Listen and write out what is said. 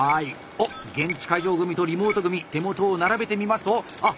おっ現地会場組とリモート組手元を並べてみますとあっ